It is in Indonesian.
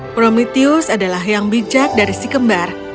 prometheus adalah yang bijak dari si kembar